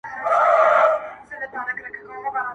هره لوېشت مي د نيکه او بابا ګور دی٫